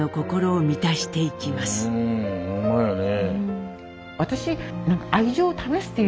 うんほんまやね。